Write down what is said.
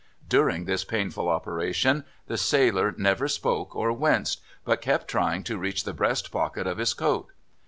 During this painful operation the sailor never spoke or winced, but kept trying to reach the breast pocket of his coat.